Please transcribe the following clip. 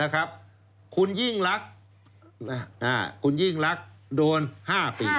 คุณยิ่งรักโดน๕ปี